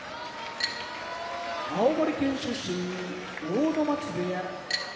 青森県出身阿武松部屋